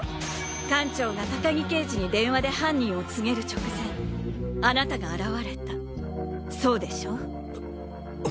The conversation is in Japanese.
館長が高木刑事に電話で犯人を告げる直前あなたが現れたそうでしょう？